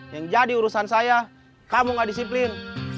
yang jadi urusan saya kamu gak disiplin